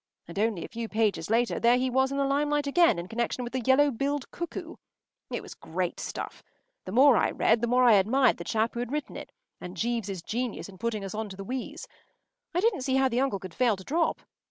And only a few pages later there he was in the limelight again in connection with the yellow billed cuckoo. It was great stuff. The more I read, the more I admired the chap who had written it and Jeeves’s genius in putting us on to the wheeze. I didn’t see how the uncle could fail to drop.